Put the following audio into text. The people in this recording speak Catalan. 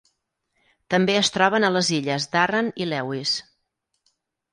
També es troben a les illes d'Arran i Lewis.